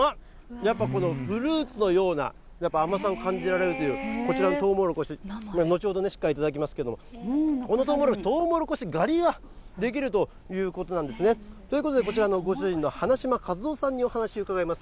やっぱフルーツのようなやっぱり、甘さが感じられるという、こちらのとうもろこし、後ほどね、しっかり頂きますけれども、このとうもろこし、とうもろこし狩りができるということなんですね。ということでこちらのご主人の花嶋和夫さんにお話を伺います。